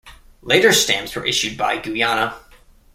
Later stamps were issued by Guyana.